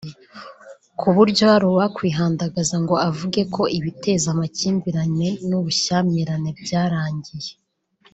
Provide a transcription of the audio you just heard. ku buryo hari uwakwihandagaza ngo avugeko ibiteza amakimbirane n’ubushyamirane byarangiye